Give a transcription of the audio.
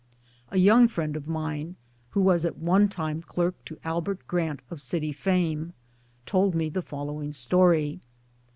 A young friend of mine, who was at one time clerk to Albert Grant of City fame, told me the following story.